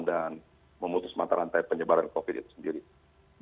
dan memutus mata rantai penyebaran covid sembilan belas itu sendiri